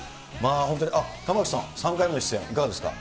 本当に、玉城さん、３回目の出演、いかがですか。